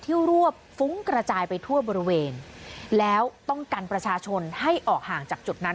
รวบฟุ้งกระจายไปทั่วบริเวณแล้วต้องกันประชาชนให้ออกห่างจากจุดนั้น